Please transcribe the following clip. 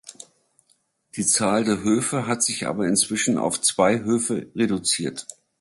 Die Zahl der Höfe hat sich aber inzwischen auf zwei Höfe reduziert.